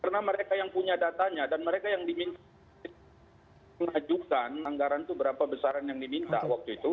karena mereka yang punya datanya dan mereka yang diminta mengajukan anggaran itu berapa besaran yang diminta waktu itu